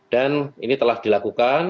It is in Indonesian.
dan ini telah dilakukan